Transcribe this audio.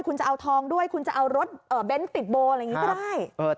คุณจะเอาทองด้วยคุณจะเอารถเบนท์ติดโบอะไรอย่างนี้ก็ได้